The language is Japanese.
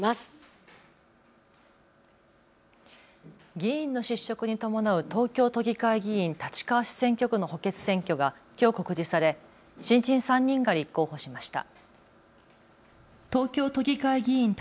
議員の失職に伴う東京都議会議員立川市選挙区の補欠選挙がきょう告示され新人３人が立候補しました。